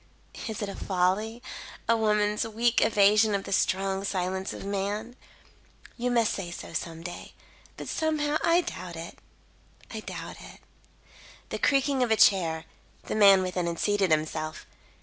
"Is it a folly? A woman's weak evasion of the strong silence of man? You may say so some day; but somehow, I doubt it I doubt it." The creaking of a chair; the man within had seated himself.